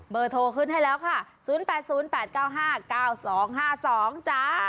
โทรขึ้นให้แล้วค่ะ๐๘๐๘๙๕๙๒๕๒จ้า